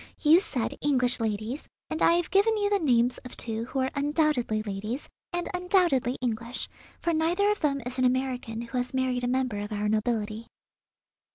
You said English ladies, and I have given you the names of two who are undoubtedly ladies, and undoubtedly English, for neither of them is an American who has married a member of our nobility."